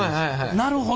なるほど。